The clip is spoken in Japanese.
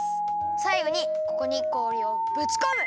さいごにここに氷をぶちこむ！